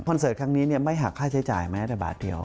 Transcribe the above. เสิร์ตครั้งนี้ไม่หักค่าใช้จ่ายแม้แต่บาทเดียว